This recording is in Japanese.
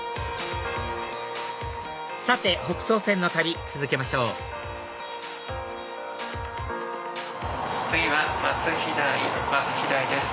さて北総線の旅続けましょう次は松飛台です。